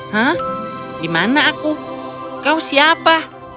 hah di mana aku kau siapa